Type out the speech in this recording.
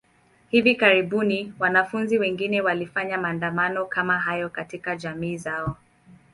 Hivi karibuni, wanafunzi wengine walifanya maandamano kama hayo katika jamii zao.